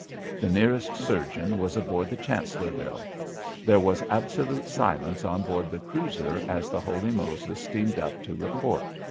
The nearest surgeon was aboard the Chancellorville. There was absolute silence on board the cruiser as the Holy Moses steamed up to report.